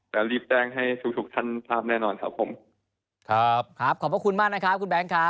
แล้วรีบแจ้งให้ทุกทุกท่านทราบแน่นอนครับผมครับครับขอบพระคุณมากนะครับคุณแบงค์ครับ